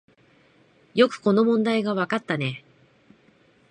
よくこの問題がわかったね